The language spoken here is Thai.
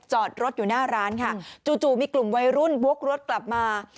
จอดรถอยู่หน้าร้านค่ะจู่มีกลุ่มวัยรุ่นวกรถกลับมา